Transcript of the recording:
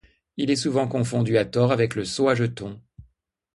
Il est souvent confondu à tort avec le seau à jetons.